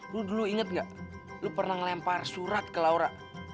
lo dulu inget nggak lo pernah ngelempar surat ke laura